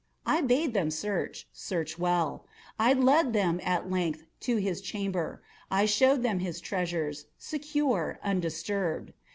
I bade them search—search well. I led them, at length, to his chamber. I showed them his treasures, secure, undisturbed.